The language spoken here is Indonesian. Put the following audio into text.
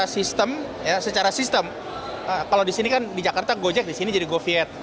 sistem secara sistem kalau di sini kan di jakarta gojek di sini jadi goviet